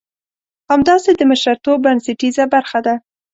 همداسې د مشرتوب بنسټيزه برخه ده.